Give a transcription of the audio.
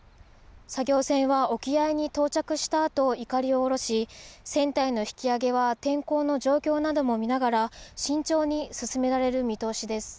作業船は沖合に到着したあと、いかりを下ろし、船体の引き揚げは天候の状況なども見ながら、慎重に進められる見通しです。